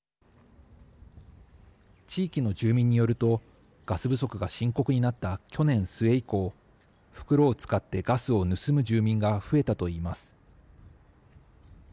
地域の住民によるとガス不足が深刻になった去年末以降袋を使ってガスを盗む住民が増えたと言います。